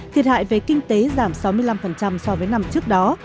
thiệt hại về kinh tế giảm sáu mươi năm so với năm trước đó